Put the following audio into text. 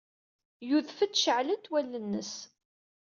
Yudef-d, ceɛlent wallen-nnes.